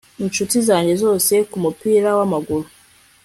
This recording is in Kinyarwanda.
inshuti zanjye zose nkumupira wamaguru